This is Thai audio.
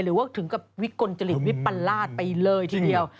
หรือว่าถึงกับวิกลจริตวิปราชไปเลยทีเดียว